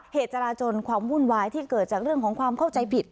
จราจนความวุ่นวายที่เกิดจากเรื่องของความเข้าใจผิด